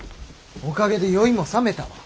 おかげで酔いもさめたわ。